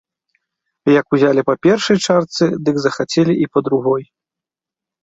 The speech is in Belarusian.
Як узялі па першай чарцы, дык захацелі і па другой.